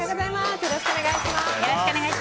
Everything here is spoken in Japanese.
よろしくお願いします。